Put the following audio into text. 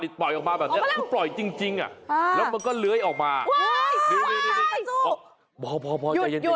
เปิดออกมาแบบนี้ปล่อยจริงอะแล้วมันก็เล้ยออกมาว้ายพักสู้